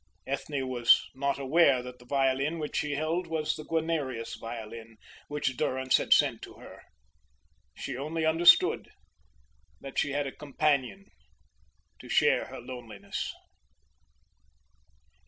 Ethne was not aware that the violin which she held was the Guarnerius violin which Durrance had sent to her. She only understood that she had a companion to share her loneliness.